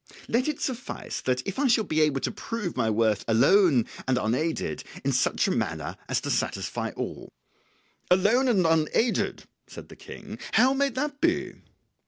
Let it suffice if I shall be able to prove my worth alone and unaided, in such a manner as to satisfy all." "Alone and unaided?" said the King; "how may that be?"